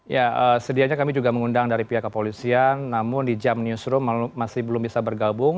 ya sedianya kami juga mengundang dari pihak kepolisian namun di jam newsroom masih belum bisa bergabung